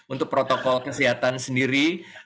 untuk protokol kesehatan sendiri